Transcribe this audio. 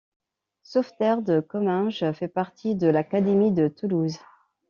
Sauveterre-de-Comminges fait partie de l'académie de Toulouse.